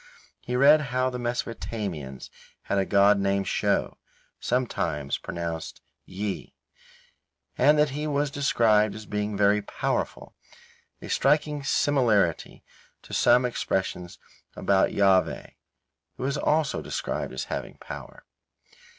He read how the Mesopotamians had a god named Sho (sometimes pronounced Ji), and that he was described as being very powerful, a striking similarity to some expressions about Jahveh, who is also described as having power.